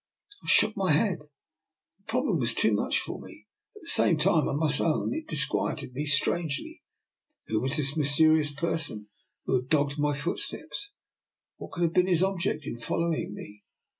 I shook my head. The problem was too much for me. At the same time I must own it disquieted me strangely. Who was this mysterious person who had dogged my foot steps? and what could have been his object in following me?